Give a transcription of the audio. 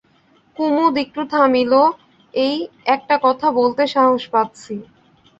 কুমুদ একটু থামিল, এই, একটা কথা বলতে সাহস পাচ্ছি।